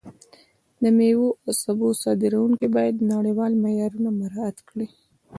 د میوو او سبو صادروونکي باید نړیوال معیارونه مراعت کړي.